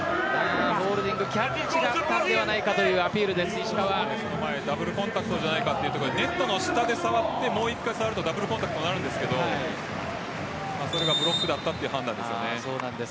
キャッチがあったんではないかというダブルコンタクトじゃないかというところでネットの下で触ってもう１回触るとダブルコンタクトにそれがブロックだったという判断ですね。